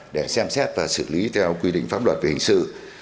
để xem xét và xử lý theo quy định pháp luật về hình sự